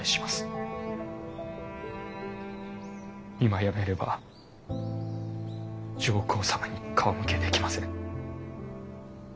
今やめれば上皇様に顔向けできません。